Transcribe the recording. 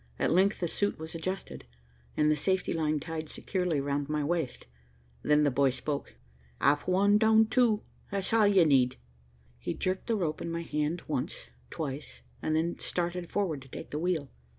At length the suit was adjusted, and the safety line tied securely round my waist. Then the boy spoke. "Up one, down two. That's all ye need." He jerked the rope in my hand once, twice, and then started forward to take the wheel.